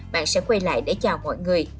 bạn sẽ quay lại để chào mọi người